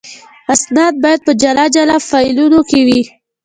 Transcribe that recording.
اسناد باید په جلا جلا فایلونو کې وي.